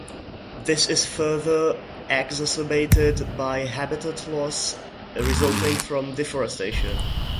This is further exacerbated by habitat loss resulting from deforestation.